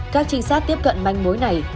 các trinh sát tiếp cận manh mối này